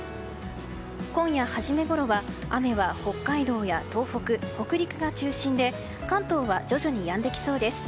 今夜初めごろは雨は北海道や東北北陸が中心で関東は徐々にやんできそうです。